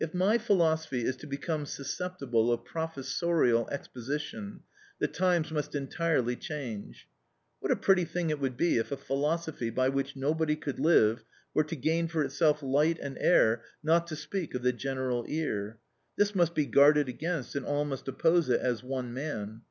If my philosophy is to become susceptible of professorial exposition, the times must entirely change. What a pretty thing it would be if a philosophy by which nobody could live were to gain for itself light and air, not to speak of the general ear! This must be guarded against, and all must oppose it as one man.